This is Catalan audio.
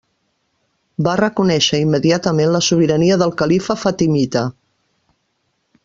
Va reconèixer immediatament la sobirania del califa fatimita.